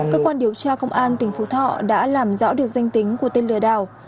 cơ quan điều tra công an tỉnh phú thọ đã làm rõ được danh tính của tên lửa đảo